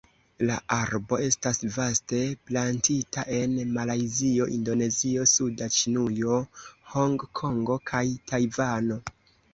La arbo estas vaste plantita en Malajzio, Indonezio, suda Ĉinujo, Hongkongo kaj Tajvano.